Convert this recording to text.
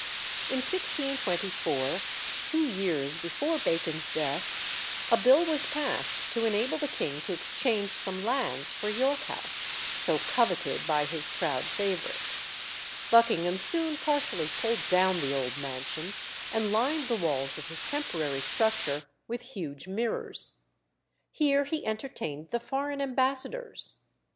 In 1624, two years before Bacon's death, a bill was passed to enable the king to exchange some lands for York House, so coveted by his proud favourite. Buckingham soon partially pulled down the old mansion, and lined the walls of his temporary structure with huge mirrors. Here he entertained the foreign ambassadors.